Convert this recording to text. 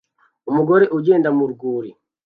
Umugore ugenda mu rwuri